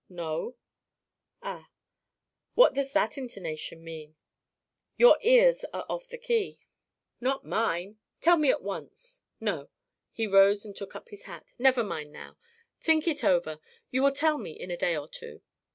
"No." "Ah? What does that intonation mean?" "Your ears are off the key." "Not mine. Tell me at once No," He rose and took up his hat "never mind now. Think it over. You will tell me in a day or two.